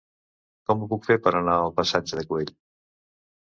Com ho puc fer per anar al passatge de Güell?